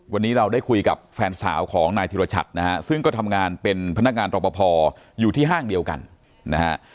วันนี้เราได้คุยกับแฟนสาวของนายธิรชัดนะฮะซึ่งก็ทำงานเป็นพนักงานรอปภอยู่ที่ห้างเดียวกันนะฮะ